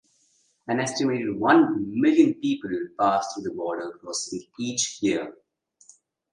An estimated one million people pass through the border crossing each year.